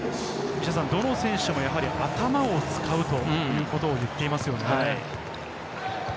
どの選手もやはり頭を使うということを言っていますね。